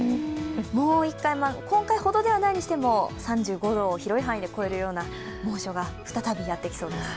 もう１回、今回ほどではないにしても３５度を広い範囲で超えるような猛暑が再びやってきそうです。